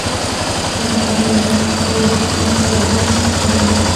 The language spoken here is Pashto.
تر هغه یوه هفته وروسته سید داسې ښکارېده.